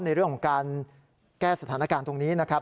ในเรื่องของการแก้สถานการณ์ตรงนี้นะครับ